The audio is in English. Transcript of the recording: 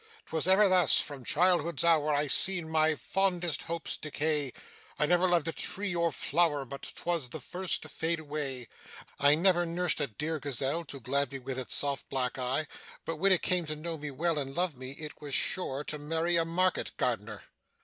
'Twas ever thus from childhood's hour I've seen my fondest hopes decay, I never loved a tree or flower but 'twas the first to fade away; I never nursed a dear Gazelle, to glad me with its soft black eye, but when it came to know me well, and love me, it was sure to marry a market gardener.